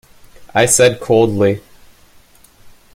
I said coldly.